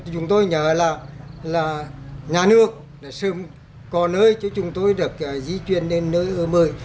chúng tôi nhờ là nhà nước sớm có nơi cho chúng tôi được di chuyển đến nơi mới